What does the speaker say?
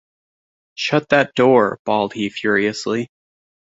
“Shut that door!” bawled he furiously.